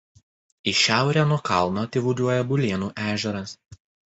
Į šiaurę nuo kalno tyvuliuoja Bulėnų ežeras.